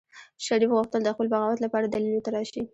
شريف غوښتل د خپل بغاوت لپاره دليل وتراشي.